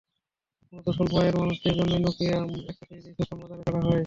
মূলত স্বল্প আয়ের মানুষদের জন্যই নকিয়া এক্স সিরিজের স্মার্টফোন বাজারে ছাড়া হয়।